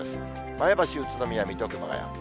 前橋、宇都宮、水戸、熊谷。